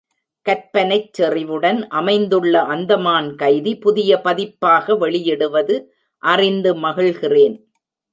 கற்பனைச் செறிவுடன் அமைந்துள்ள அந்தமான் கைதி புதிய பதிப்பாக வெளியிடுவது அறிந்து மகிழ்கிறேன்.